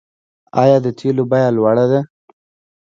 آیا د تیلو بیه لوړه ده؟